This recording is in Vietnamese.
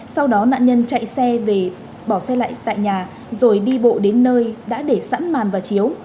sau đó nạn nhân chạy xe về bỏ xe lạnh tại nhà rồi đi bộ đến nơi đã để sẵn màn vào chiếu